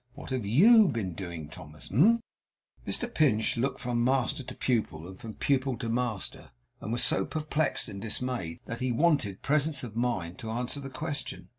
What have YOU been doing, Thomas, humph?' Mr Pinch looked from master to pupil, and from pupil to master, and was so perplexed and dismayed that he wanted presence of mind to answer the question.